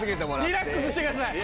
リラックスしてください。